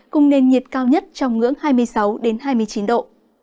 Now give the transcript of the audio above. cùng nền nhiệt cao nhất trong ngưỡng hai mươi sáu hai mươi chín độ